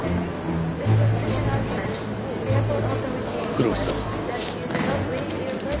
黒木さん。